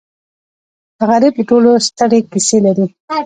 غریب د ټولو ستړې کیسې لري